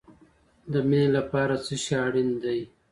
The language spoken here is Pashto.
د مینې لپاره څه شی اړین دی؟